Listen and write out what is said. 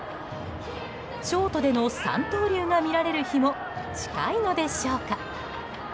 ショートでの三刀流が見られる日も近いのでしょうか。